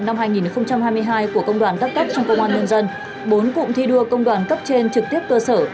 năm hai nghìn hai mươi hai của công đoàn các cấp trong công an nhân dân bốn cụm thi đua công đoàn cấp trên trực tiếp cơ sở